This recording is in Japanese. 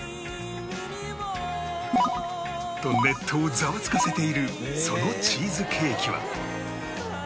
とネットをザワつかせているそのチーズケーキは